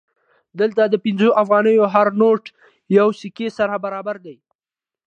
دلته د پنځه افغانیو هر نوټ یوې سکې سره برابر دی